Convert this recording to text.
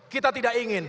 kita tidak ingin